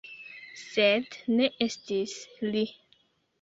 Sed, ne estis li.